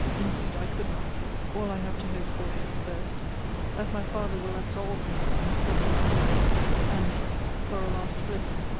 Indeed I could not. All I have to hope for is, first, that my father will absolve me from his heavy malediction: and next, for a last blessing.